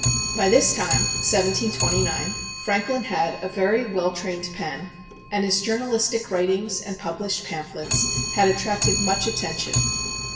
By this time (1729) Franklin had a very well trained pen, and his journalistic writings and published pamphlets had attracted much attention.